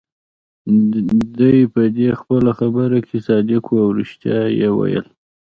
دی په دې خپله خبره کې صادق وو، او ريښتیا يې ویل.